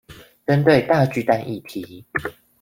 針對大巨蛋議題